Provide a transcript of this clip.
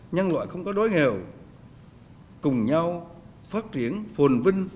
nhân loại không có đói nghèo cùng nhau phát triển phồn vinh